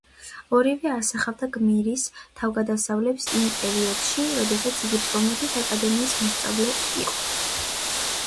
ორივე ასახავდა გმირის თავგადასავლებს იმ პერიოდში, როდესაც იგი პრომეთეს აკადემიის მოსწავლე იყო.